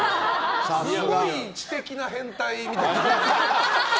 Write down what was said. すごい知的な変態みたいな。